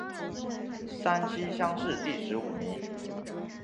山西乡试第十五名。